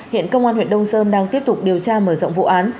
hiện công an huyện đông sơn đang tiếp tục điều tra mở rộng vụ án